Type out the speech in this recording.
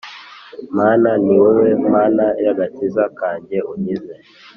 Mana ni wowe Mana y agakiza kanjye Unkize